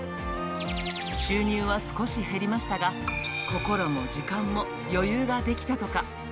収入は少し減りましたが、心も時間も余裕ができたとか。